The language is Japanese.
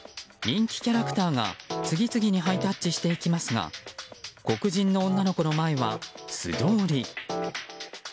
人気キャラクターが次々にハイタッチしていきますが黒人の女の子の前は素通り。